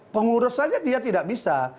pengurus saja dia tidak bisa